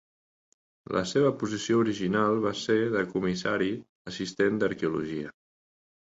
La seva posició original va ser de comissari assistent d'arqueologia.